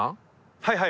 はいはい。